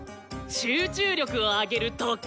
集中力を上げる特訓さ！